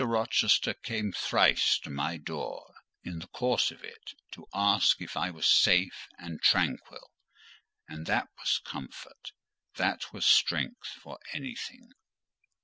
Rochester came thrice to my door in the course of it, to ask if I was safe and tranquil: and that was comfort, that was strength for anything.